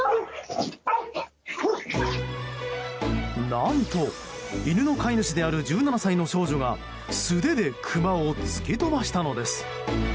何と犬の飼い主である１７歳の少女が素手でクマを突き飛ばしたのです。